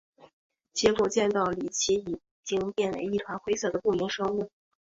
结果见到李奇已经变为一团灰色的不明生物。